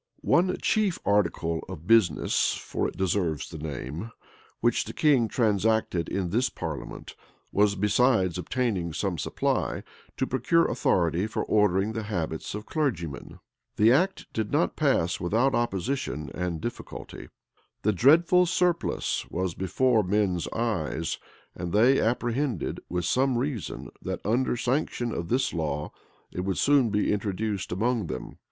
One chief article of business, (for it deserves the name,) which the king transacted in this parliament, was, besides obtaining some supply, to procure authority for ordering the habits of clergymen.[*] The act did not pass without opposition and difficulty. The dreadful surplice was before men's eyes, and they apprehended, with some reason, that under sanction of this law, it would soon be introduced among them.